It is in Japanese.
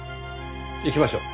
行きましょう。